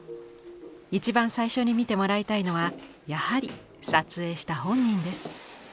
一番最初に見てもらいたいのはやはり撮影した本人です。